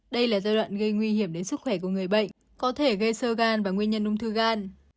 đây là giai đoạn gây nguy hiểm đến sức khỏe của người bệnh có thể gây sơ gan và nguyên nhân ung thư gan